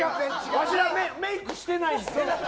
わしら、メイクしてない！